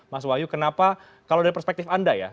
mas wahyu kenapa kalau dari perspektif anda ya